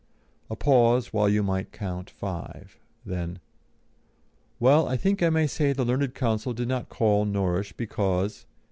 A pause while you might count five; then; "Well, I think I may say the learned counsel did not call Norrish because